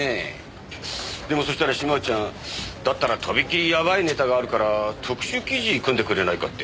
でもそうしたら島内ちゃんだったらとびきりやばいネタがあるから特集記事組んでくれないかって。